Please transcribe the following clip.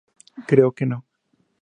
Creo que no.